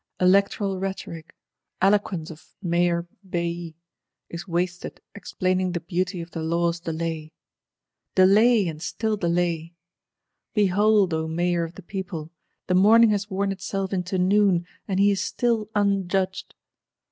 Electoral rhetoric, eloquence of Mayor Bailly, is wasted explaining the beauty of the Law's delay. Delay, and still delay! Behold, O Mayor of the People, the morning has worn itself into noon; and he is still unjudged!